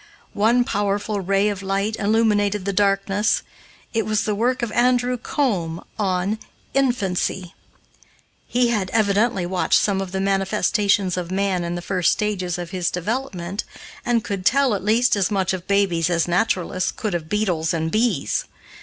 One powerful ray of light illuminated the darkness; it was the work of Andrew Combe on "Infancy." He had, evidently watched some of the manifestations of man in the first stages of his development, and could tell, at least, as much of babies as naturalists could of beetles and bees.